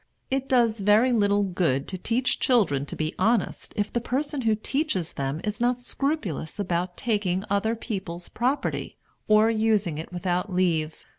It does very little good to teach children to be honest if the person who teaches them is not scrupulous about taking other people's property or using it without leave.